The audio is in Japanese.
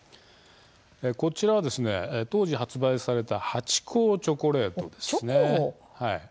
こちらは当時、発売されたハチ公チョコレートです。